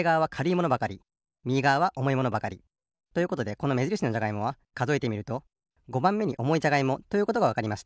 ものばかりみぎがわはおもいものばかり。ということでこのめじるしのじゃがいもはかぞえてみると５ばんめにおもいじゃがいもということがわかりました。